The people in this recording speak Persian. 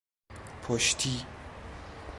پشتی